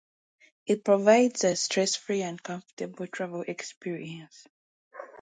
It provides a stress-free and comfortable travel experience.